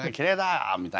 みたいな。